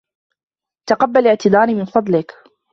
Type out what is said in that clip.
تقبل إعتذاري من فضلك.